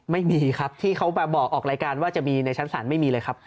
ไม่มีครับที่เขามาบอกออกรายการว่าจะมีในชั้นศาลไม่มีเลยครับ